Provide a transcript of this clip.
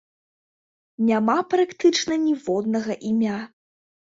Няма практычна ніводнага імя.